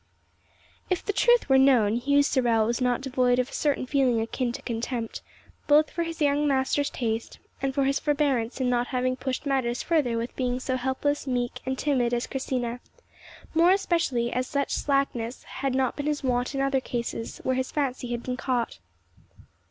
If the truth were known, Hugh Sorel was not devoid of a certain feeling akin to contempt, both for his young master's taste, and for his forbearance in not having pushed matters further with a being so helpless, meek, and timid as Christina, more especially as such slackness had not been his wont in other cases where his fancy had been caught.